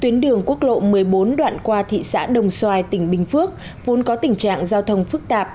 tuyến đường quốc lộ một mươi bốn đoạn qua thị xã đồng xoài tỉnh bình phước vốn có tình trạng giao thông phức tạp